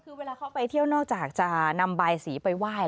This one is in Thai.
คือเวลาเขาไปเที่ยวนอกจากจะนำใบสีไปไหว้